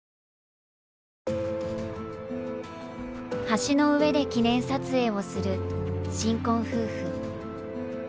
橋の上で記念撮影をする新婚夫婦。